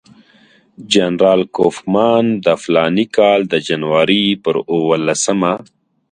جنرال کوفمان د فلاني کال د جنوري پر اووه لسمه.